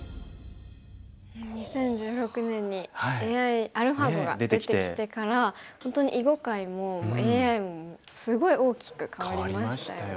２０１６年にアルファ碁が出てきてから本当に囲碁界もＡＩもすごい大きく変わりましたよね。